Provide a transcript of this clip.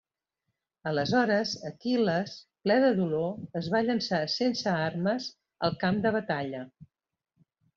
Aleshores, Aquil·les, ple de dolor, es va llençar sense armes al camp de batalla.